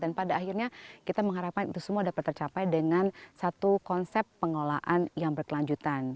dan pada akhirnya kita mengharapkan itu semua dapat tercapai dengan satu konsep pengelolaan yang berkelanjutan